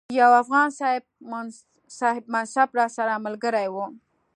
یو افغان صاحب منصب راسره ملګری وو.